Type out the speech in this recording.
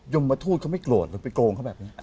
มทูตเขาไม่โกรธหรือไปโกงเขาแบบนี้